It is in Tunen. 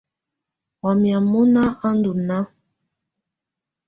Wamɛ̀á mɔ̀na á ndù nàà.